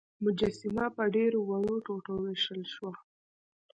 مجسمه په ډیرو وړو ټوټو ویشل شوه.